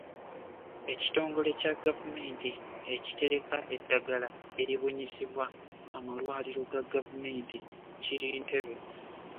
Ekitongole kya Gavumenti ekitereka eddagala eribunyisibwa amalwaliro ga Gavumenti kiri Ntebe.